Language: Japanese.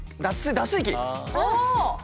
脱水機。